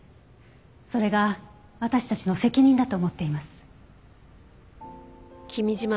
それが私たちの責任だと思っています。